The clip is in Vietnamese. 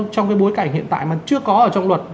trong cái bối cảnh hiện tại mà chưa có ở trong luật